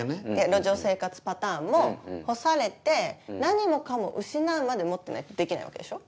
路上生活パターンも干されて何もかも失うまで持ってないとできないわけでしょ？